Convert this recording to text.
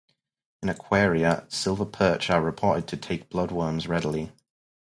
In aquaria, silver perch are reported to take blood worms readily.